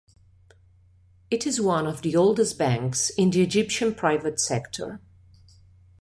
It is one of the oldest banks in the Egyptian private sector.